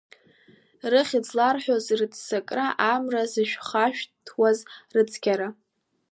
Рыхьӡ зларҳәоз рыццакра, Амра зышәхашәҭуаз рыцқьара.